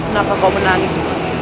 kenapa kau menangis